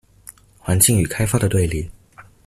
環境與開發的對立